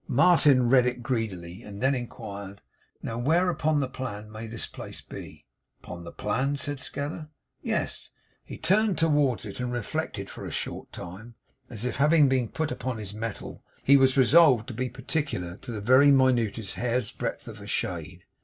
Martin read it greedily, and then inquired: 'Now where upon the plan may this place be?' 'Upon the plan?' said Scadder. 'Yes.' He turned towards it, and reflected for a short time, as if, having been put upon his mettle, he was resolved to be particular to the very minutest hair's breadth of a shade.